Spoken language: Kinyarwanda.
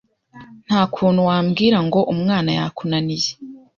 nta kuntu wambwira ngo umwana yakunaniye